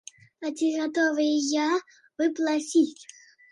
А ці гатовыя вы плаціць?